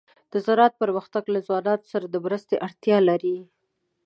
د زراعت پرمختګ له ځوانانو سره د مرستې اړتیا لري.